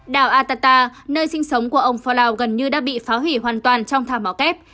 đảo atata nơi sinh sống của ông forlau gần như đã bị phá hủy hoàn toàn trong thảm bó kép